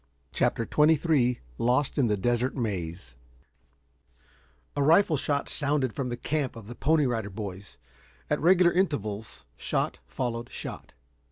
CHAPTER XXIII LOST IN THE DESERT MAZE A rifle shot sounded from the camp of the Pony Rider Boys. At regular intervals shot followed shot.